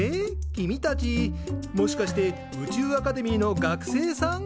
君たちもしかして宇宙アカデミーの学生さん？